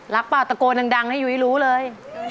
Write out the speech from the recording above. เปล่าตะโกนดังให้ยุ้ยรู้เลย